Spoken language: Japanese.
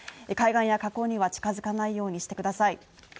海岸や河口には近づかないようにしてください。